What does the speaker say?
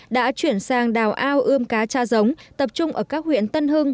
đã chuyển sang đào ao ươm cá cha giống tập trung ở các huyện tân hưng